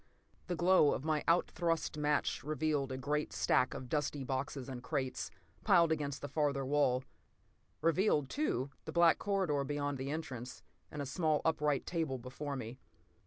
The glow of my out thrust match revealed a great stack of dusty boxes and crates, piled against the farther wall. Revealed, too, the black corridor beyond the entrance, and a small, upright table before me.